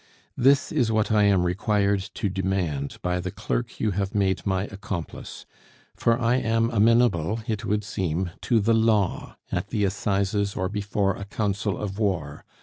"This is what I am required to demand by the clerk you have made my accomplice; for I am amenable, it would seem, to the law, at the Assizes, or before a council of war.